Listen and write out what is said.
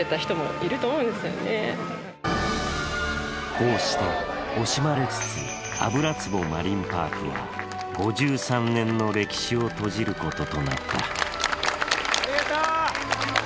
こうして、惜しまれつつ油壺マリンパークは５３年の歴史を閉じることとなった。